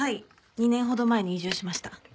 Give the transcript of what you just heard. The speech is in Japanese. ２年ほど前に移住しました。